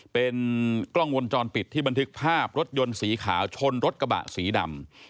เป็นกล้องวงจรปิดที่บันทึกภาพรถยนต์สีขาวชนรถกระบะสีดำ